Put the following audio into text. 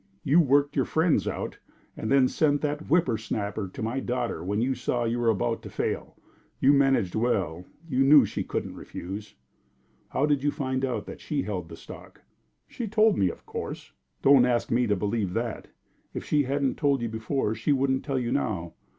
You worked your friends out, and then sent that whipper snapper to my daughter when you saw you were about to fail. You managed well; you knew she couldn't refuse." "How did you find out that she held the stock?" "She told me, of course." "Don't ask me to believe that. If she hadn't told you before, she wouldn't tell you now.